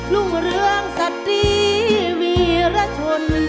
รุ่งเรืองสัตรีวีรชน